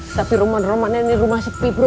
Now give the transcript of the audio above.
tapi rumah rumahnya ini rumah sepi bro